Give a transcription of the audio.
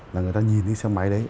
là người ta nhìn cái xe máy đấy